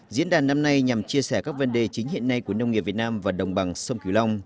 diễn đàn năm nay nhằm chia sẻ các vấn đề chính hiện nay của nông nghiệp việt nam và đồng bằng sông kiều long